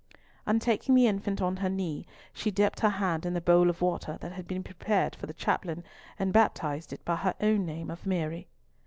And taking the infant on her knee, she dipped her hand in the bowl of water that had been prepared for the chaplain, and baptized it by her own name of Mary.